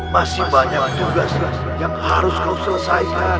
masih banyak juga yang harus kau selesaikan